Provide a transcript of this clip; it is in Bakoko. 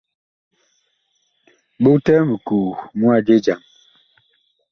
Bogtɛɛ mikoo mu a je jam.